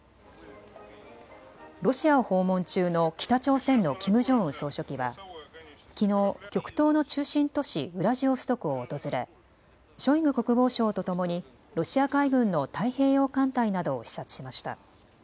ロシアを訪問中の北朝鮮のキム・ジョンウン総書記はきのう極東の中心都市ウラジオストクを訪れショイグ国防相とともにロシア海軍の太平洋艦隊などを視察しました。